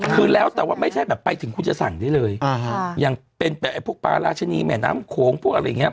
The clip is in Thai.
คือแล้วแต่ว่าไม่ใช่แบบไปถึงคุณจะสั่งได้เลยอ่าฮะอย่างเป็นแบบไอ้พวกปลาราชนีแม่น้ำโขงพวกอะไรอย่างเงี้